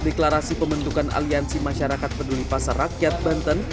deklarasi pembentukan aliansi masyarakat peduli pasar rakyat banten